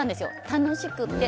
楽しくて。